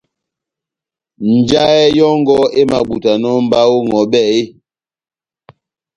Njahɛ yɔ́ngɔ emabutanɔ mba ó ŋʼhɔbɛ eeeh ?